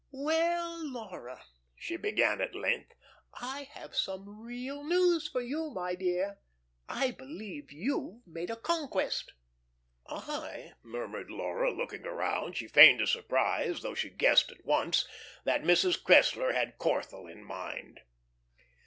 "Well, Laura," she began at length, "I have some real news for you. My dear, I believe you've made a conquest." "I!" murmured Laura, looking around. She feigned a surprise, though she guessed at once that Mrs. Cressler had Corthell in mind.